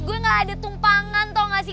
gue gak ada tumpangan tau gak sih